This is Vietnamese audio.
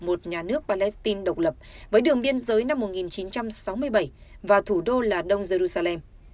một nhà nước palestine độc lập với đường biên giới năm một nghìn chín trăm sáu mươi bảy và thủ đô là đông giê ru sa lem